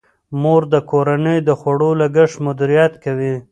مور د کورنۍ د خوړو لګښت مدیریت کوي.